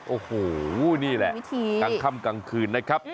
โอ้โหนี่แหละกลางค่ำกลางคืนนะครับ